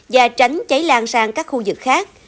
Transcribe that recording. và tránh cháy lan sang các khu vực khác